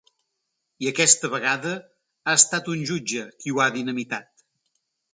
I aquesta vegada ha estat un jutge qui ho ha dinamitat.